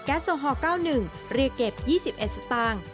โซฮอล๙๑เรียกเก็บ๒๑สตางค์